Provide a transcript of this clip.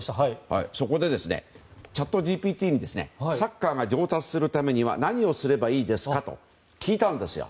そこで、チャットＧＰＴにサッカーが上達するためには何をすればいいか聞いたんですよ。